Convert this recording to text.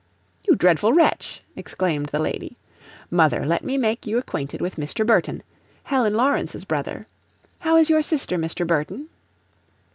"You dreadful wretch!" exclaimed the lady. "Mother, let me make you acquainted with Mr. Burton, Helen Lawrence's brother. How is your sister, Mr. Burton?"